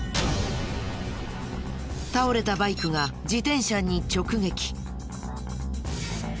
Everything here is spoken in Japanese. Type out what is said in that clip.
倒れたバイクが自転車に直撃。